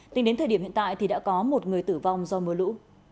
tính đến thời điểm hiện tại thì đã có một người tử vong do mưa lũ